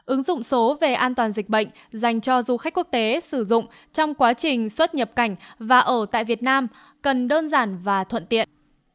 ứng dụng số về an toàn dịch bệnh dành cho du khách quốc tế sử dụng trong quá trình xuất nhập cảnh và ở tại việt nam cần đơn giản và thuận tiện